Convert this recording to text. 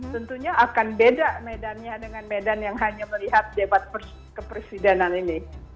tentunya akan beda medannya dengan medan yang hanya melihat debat kepresidenan ini